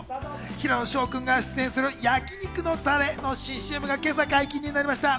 平野紫耀君が出演する焼肉のたれの新ＣＭが今朝解禁になりました。